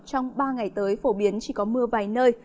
trong ba ngày tới phổ biến chỉ có mưa vài nơi